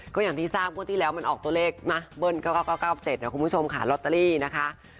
ก็อย่างที่ทราบงวดที่แล้วมันออกตัวเลขนะเบิ้ล๙๙๙๗นะคุณผู้ชมค่ะลอตเตอรี่นะคะ